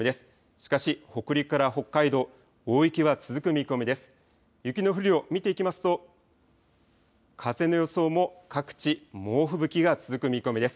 しかし北陸から北海道大雪は続く見込みです。